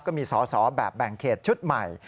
ก็มีสอสอแบบแบ่งเขตชุดใหม่